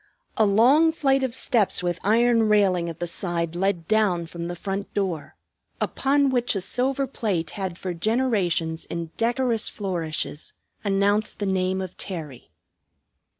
A long flight of steps, with iron railing at the side, led down from the front door, upon which a silver plate had for generations in decorous flourishes announced the name of Terry.